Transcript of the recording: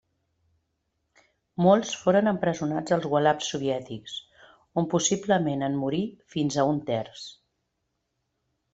Molts foren empresonats als gulags soviètics, on possiblement en morí fins a un terç.